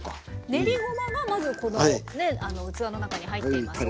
練りごまがまずこのね器の中に入っていますよ。